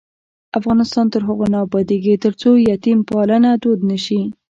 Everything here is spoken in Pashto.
افغانستان تر هغو نه ابادیږي، ترڅو یتیم پالنه دود نشي.